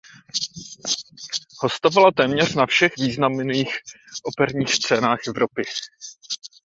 Hostovala téměř na všech významných operních scénách Evropy.